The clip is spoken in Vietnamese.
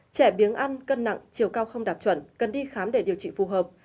trẻ biến ăn cân nặng chiều cao không đạt chuẩn cần đi khám để điều trị phù hợp